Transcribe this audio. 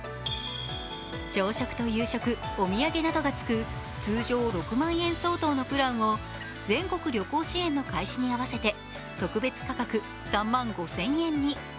朝食と夕食、お土産などがつく通常６万円相当のプランを全国旅行支援の開始に合わせて、特別価格３万５０００円に。